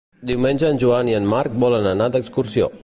Diumenge en Joan i en Marc volen anar d'excursió.